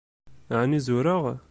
Ɛni zureɣ?